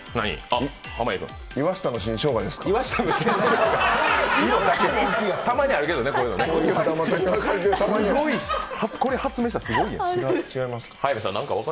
岩下の新しょうがですか。